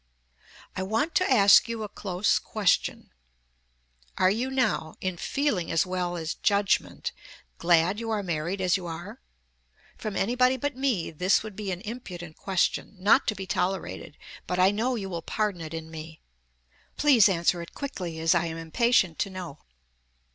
"I want to ask you a close question Are you now, in feeling as well as judgment, glad you are married as you are? From anybody but me this would be an impudent question, not to be tolerated; but I know you will pardon it in me. Please answer it quickly, as I am impatient to know."